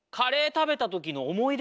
食べた時の思い出？